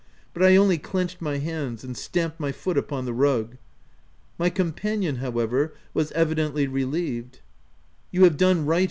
But I only clenched my hands, and stamped my foot upon the rug. My companion however, was evidently relieved. " You have done right!"